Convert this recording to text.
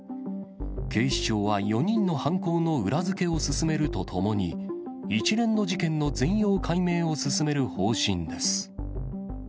警視庁は４人の犯行の裏付けを進めるとともに、一連の事件の全容解明を進める方針です。